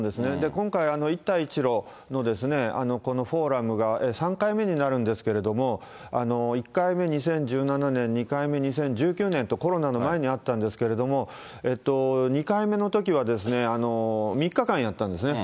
今回、一帯一路のこのフォーラムが、３回目になるんですけれども、１回目２０１７年、２回目２０１９年と、コロナの前にあったんですけど、２回目のときは、３日間やったんですね。